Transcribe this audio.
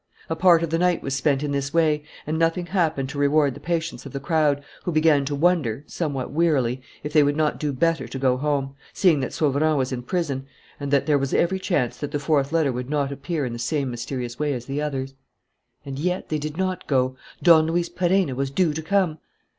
A part of the night was spent in this way and nothing happened to reward the patience of the crowd, who began to wonder, somewhat wearily, if they would not do better to go home, seeing that Sauverand was in prison and that there was every chance that the fourth letter would not appear in the same mysterious way as the others. And yet they did not go: Don Luis Perenna was due to come!